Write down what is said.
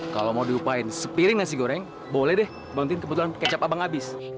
kalau mau dirupain sepiring nasi goreng boleh deh bantuin kebetulan kecap abang abis